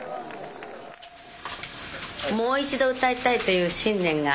もう一度歌いたいという信念が。